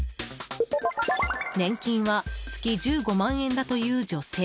年金は月１５万円だという女性。